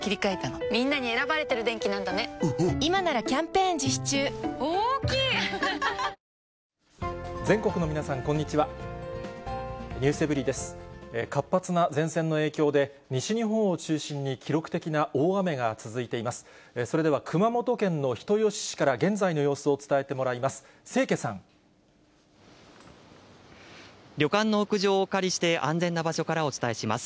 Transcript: それでは熊本県の人吉市から、現在の様子を伝えてもらいます。